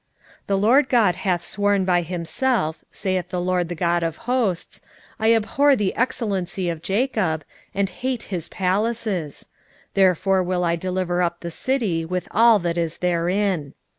6:8 The Lord GOD hath sworn by himself, saith the LORD the God of hosts, I abhor the excellency of Jacob, and hate his palaces: therefore will I deliver up the city with all that is therein.